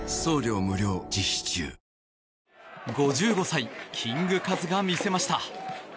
５５歳キングカズが見せました。